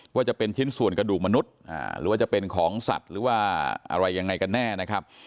ว่าจะเป็นชิ้นส่วนกระดูกมนุษย์หรือว่าจะเป็นของสัตว์หรือว่าอะไรยังไงกันแน่นะครับ